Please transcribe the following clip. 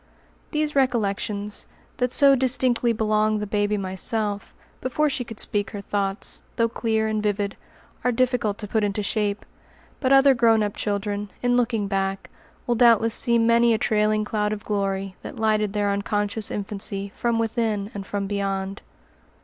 These recollections, that so distinctly belong the baby Myself, before she could speak her thoughts, though clear and vivid, are difficult to put into shape. But other grown up children, in looking back, will doubtless see many a trailing cloud of glory, that lighted their unconscious infancy from within and from beyond.